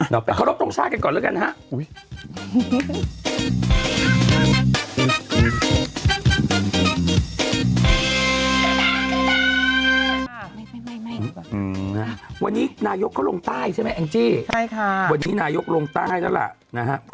เนาะเขารบกองชายกันก่อนแล้วกันนะฮะ